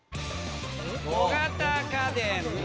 小型家電。